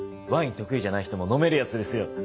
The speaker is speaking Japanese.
ワイン得意じゃない人も飲めるやつですよ。